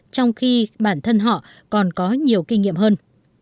trong khi bản thân họ còn có nhiều kinh nghiệm hơn